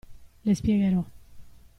Le spiegherò.